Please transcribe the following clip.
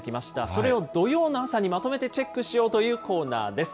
それを土曜の朝にまとめてチェックしようというコーナーです。